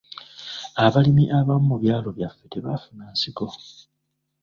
Abalimi abamu mu byalo byaffe tebaafuna nsigo.